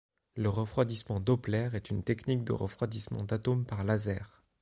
Le refroidissement Doppler est une technique de refroidissement d'atomes par laser.